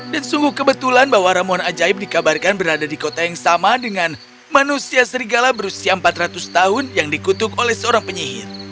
dan sungguh kebetulan bahwa ramuan ajaib dikabarkan berada di kota yang sama dengan manusia serigala berusia empat ratus tahun yang dikutuk oleh seorang penyihir